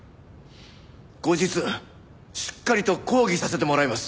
後日しっかりと抗議させてもらいます。